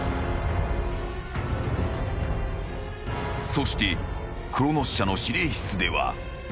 ［そしてクロノス社の司令室では］